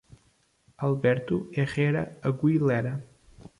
Alberto Herrera Aguilera